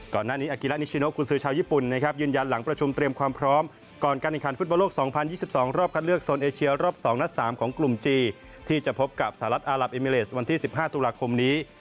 อากิระนิชิโนกุญสือชาวญี่ปุ่นนะครับยืนยันหลังประชุมเตรียมความพร้อมก่อนการแข่งขันฟุตบอลโลก๒๐๒๒รอบคัดเลือกโซนเอเชียรอบ๒นัด๓ของกลุ่มจีนที่จะพบกับสหรัฐอารับเอมิเลสวันที่๑๕ตุลาคมนี้